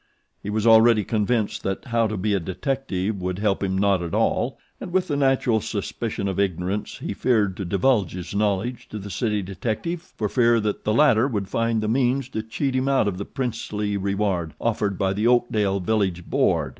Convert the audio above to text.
He was already convinced that HOW TO BE A DETECTIVE would help him not at all, and with the natural suspicion of ignorance he feared to divulge his knowledge to the city detective for fear that the latter would find the means to cheat him out of the princely reward offered by the Oakdale village board.